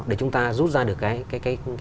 để chúng ta rút ra được cái